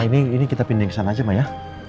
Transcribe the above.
nah ini kita pindahin ke sana aja ma ya